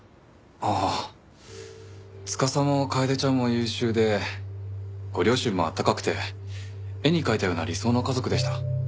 ああ司も楓ちゃんも優秀でご両親も温かくて絵に描いたような理想の家族でした。